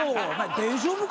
大丈夫か？